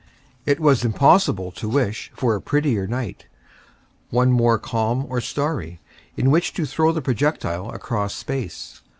It was impossible to wish for a prettier night, one more calm or starry, in which to throw the projectile across space.